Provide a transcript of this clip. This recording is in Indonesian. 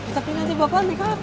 tapi nanti bapak nunggu kak